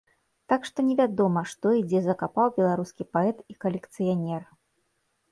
Так што невядома, што і дзе закапаў беларускі паэт і калекцыянер.